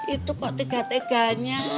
itu kok tega teganya